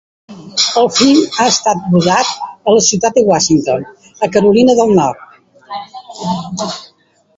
El film ha estat rodat a la ciutat de Wilmington a Carolina del Nord.